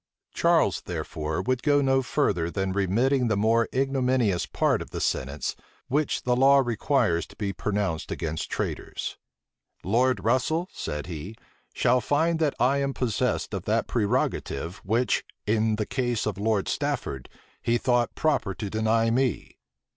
Charles, therefore, would go no further than remitting the more ignominious part of the sentence which the law requires to be pronounced against traitors. "Lord Russel," said he, "shall find that I am possessed of that prerogative which, in the case of Lord Stafford, he thought proper to deny me."